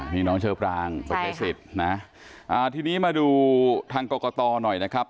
นี่น้องเชอปรางไปใช้สิทธิ์นะทีนี้มาดูทางกรกตหน่อยนะครับ